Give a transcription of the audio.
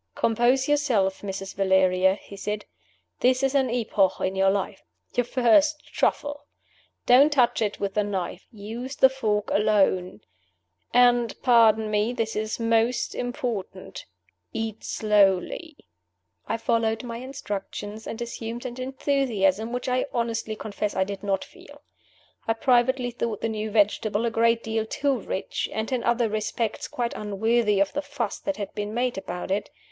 "Compose yourself, Mrs. Valeria," he said. "This is an epoch in your life. Your first Truffle! Don't touch it with the knife. Use the fork alone. And pardon me; this is most important eat slowly." I followed my instructions, and assumed an enthusiasm which I honestly confess I did not feel. I privately thought the new vegetable a great deal too rich, and in other respects quite unworthy of the fuss that had been made about it.